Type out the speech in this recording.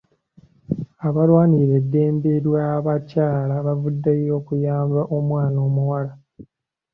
Abalwanirira eddembe ly'abakyala bavuddeyo okuyamba omwana omuwala.